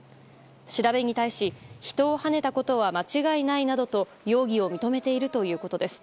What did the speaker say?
調べに対し、人をはねたことは間違いないなどと容疑を認めているということです。